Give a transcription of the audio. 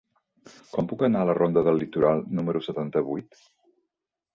Com puc anar a la ronda del Litoral número setanta-vuit?